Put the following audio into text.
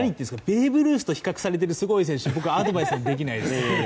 ベーブ・ルースと比較されているようなすごい選手にはアドバイスできないです。